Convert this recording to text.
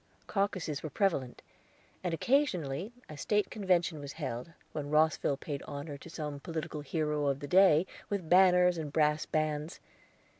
Caucuses were prevalent, and occasionally a State Convention was held, when Rosville paid honor to some political hero of the day with banners and brass bands.